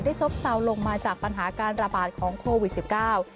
ซบเซาลงมาจากปัญหาการระบาดของโควิดสิบเก้า